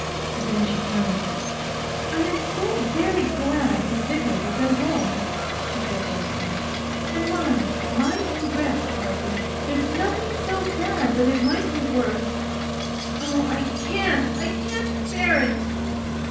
Then she turned: 'I am so very glad the vicar was at home,' she said brightly. 'And mind, mind you rest, Arthur. There's nothing so bad but it might be worse.... Oh, I can't, I can't bear it!